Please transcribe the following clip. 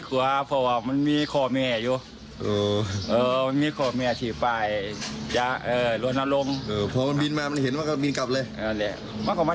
เอาไปฟังเสียงชาวบ้านเพราะว่ายังไงบ้างคะ